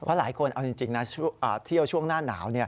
เพราะหลายคนเอาจริงนะเที่ยวช่วงหน้าหนาว